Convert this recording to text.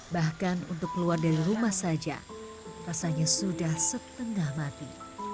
bahkan untuk keluar dari rumah saja rasanya sudah setengah mati